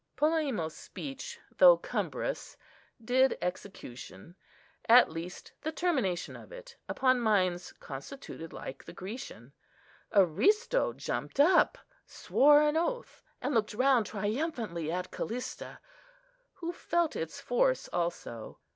Polemo's speech, though cumbrous, did execution, at least the termination of it, upon minds constituted like the Grecian. Aristo jumped up, swore an oath, and looked round triumphantly at Callista, who felt its force also.